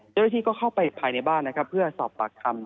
เจ้าหน้าที่ก็เข้าไปภายในบ้านนะครับเพื่อสอบปากคำ